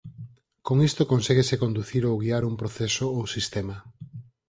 Con isto conséguese conducir ou guiar un proceso ou sistema.